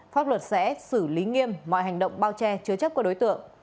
pháp luật sẽ xử lý nghiêm mọi hành động bao che chứa chấp của đối tượng